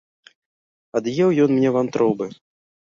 Ад'еў ён мне вантробы!